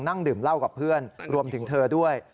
นั่งดื่มเหล้ากับเพื่อนรวมถึงเธอด้วย